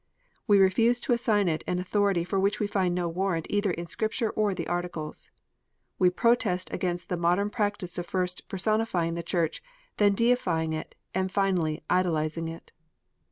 We refuse to assign it an authority for which we find no warrant either in Scripture or the Articles. We protest against the modern practice of first personifying the Church, then deifying it, and finally idolizing it.